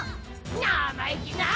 なまいきな！